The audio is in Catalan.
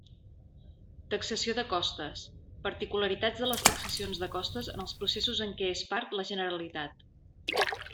Taxació de costes: particularitats de les taxacions de costes en els processos en què és part la Generalitat.